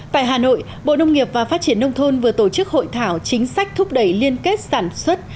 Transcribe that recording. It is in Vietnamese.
tại hà nội bộ nông nghiệp và phát triển nông thôn vừa tổ chức hội thảo chính sách thúc đẩy liên kết sản xuất